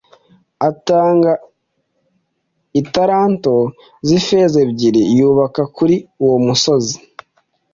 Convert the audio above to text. atanga italanto z’ifeza ebyiri yubaka kuri uwo musozi